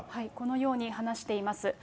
このように話しています。